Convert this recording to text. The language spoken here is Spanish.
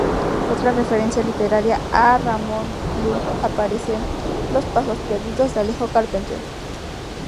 Otra referencia literaria a Ramon Llull aparece en "Los pasos perdidos" de Alejo Carpentier.